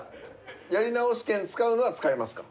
やり直し権使うのは使いますか？